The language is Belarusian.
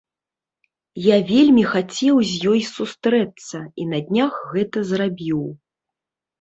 Я вельмі хацеў з ёй сустрэцца, і на днях гэта зрабіў.